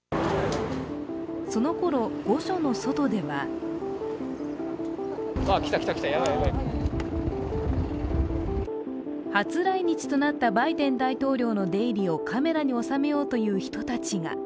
その頃、御所の外では初来日となったバイデン大統領の出入りをカメラに収めようという人たちが。